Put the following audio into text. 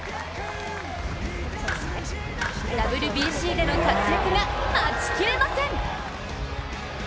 ＷＢＣでの活躍が待ちきれません。